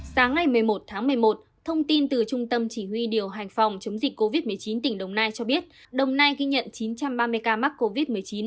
sáng ngày một mươi một tháng một mươi một thông tin từ trung tâm chỉ huy điều hành phòng chống dịch covid một mươi chín tỉnh đồng nai cho biết đồng nai ghi nhận chín trăm ba mươi ca mắc covid một mươi chín